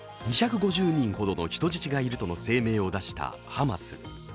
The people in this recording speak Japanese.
２００人から２５０人ほどの人質がいるとの声明を出したハマス。